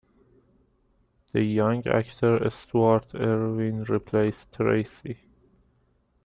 The young actor Stuart Erwin replaced Tracy.